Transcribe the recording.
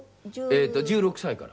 １６歳から。